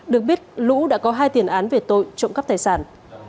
được biết lũ đã có hai tiền án về tội trộm cắp tài sản